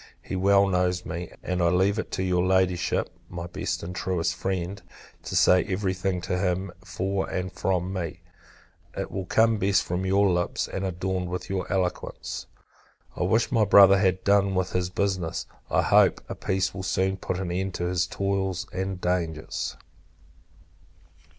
He well knows me; and I leave it to your Ladyship, (my best and truest friend) to say every thing to him, for and from me: it will come best from your lips, and adorned with your eloquence. I wish my Brother had done with this business. I hope, a peace will soon put an end to his toils and dangers.